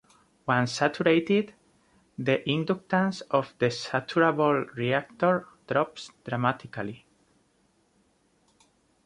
Once saturated, the inductance of the saturable reactor drops dramatically.